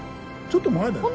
ちょっと前だよ。